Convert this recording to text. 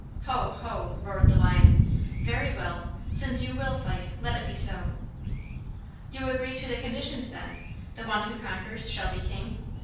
"Ho, ho!" roared the Lion. "Very well, since you will fight, let it be so." "You agree to the conditions, then? The one who conquers shall be King?"